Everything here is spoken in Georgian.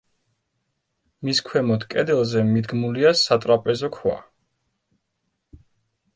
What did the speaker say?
მის ქვემოთ კედელზე მიდგმულია სატრაპეზო ქვა.